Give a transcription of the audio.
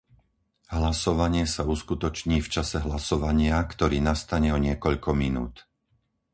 Hlasovanie sa uskutoční v čase hlasovania, ktorý nastane o niekoľko minút.